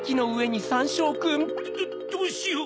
どうしよう。